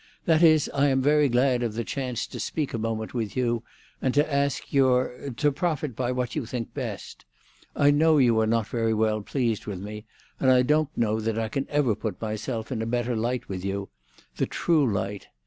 "That is, I am very glad of the chance to speak a moment with you, and to ask your—to profit by what you think best. I know you are not very well pleased with me, and I don't know that I can ever put myself in a better light with you—the true light.